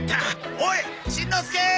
おいしんのすけー！